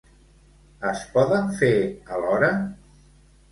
Es poden fer alhora?